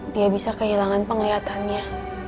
dia bisa kehilangan penglihatannya